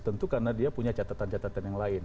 tentu karena dia punya catatan catatan yang lain